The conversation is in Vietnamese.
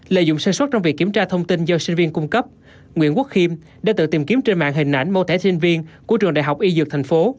lợi dụng sản xuất trong việc kiểm tra thông tin do sinh viên cung cấp nguyễn quốc khiêm đã tự tìm kiếm trên mạng hình ảnh mô tả sinh viên của trường đại học y dược thành phố